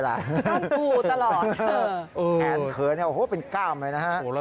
ก้ามบูตลอดแขนเขลเหรอครับเพราะเป็นก้ามเลยนะค่ะ